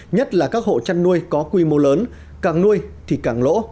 nhất là các hộ chăn nuôi có quy mô lớn càng nuôi thì càng lỗ